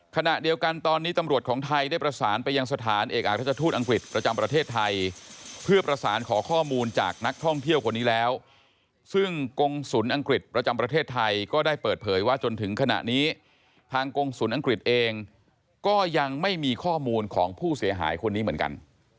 ขณะเดียวกันตอนนี้ตำรวจของไทยได้ประสานไปยังสถานเอกอักราชทูตอังกฤษประจำประเทศไทยเพื่อประสานขอข้อมูลจากนักท่องเที่ยวคนนี้แล้วซึ่งกงศูนย์อังกฤษประจำประเทศไทยก็ได้เปิดเผยว่าจนถึงขณะนี้ทางกงศูนย์อังกฤษเองก็ยังไม่มีข้อมูลของผู้เสียหายคนนี้เหมือนกัน